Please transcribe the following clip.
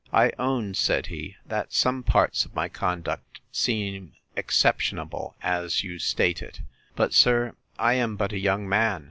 I own, said he, that some parts of my conduct seem exceptionable, as you state it. But, sir, I am but a young man.